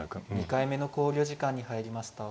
２回目の考慮時間に入りました。